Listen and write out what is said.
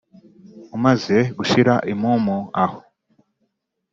umaze gushira impumu aho